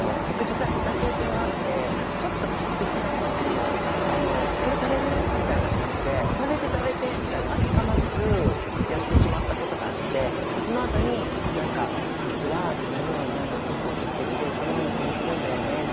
僕実は似た経験があってちょっと潔癖な子に「これ食べる？」みたいな感じで「食べて食べて」みたいな厚かましくやってしまったことがあってそのあとに何か「実は自分結構潔癖で人のもの気にするんだよね」